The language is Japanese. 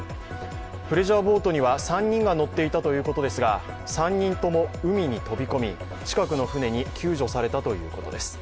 プレジャーボートには３人が乗っていたということですが、３人とも海に飛び込み近くの船に救助されたということです。